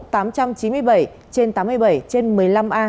trên tám mươi bảy trên một mươi năm a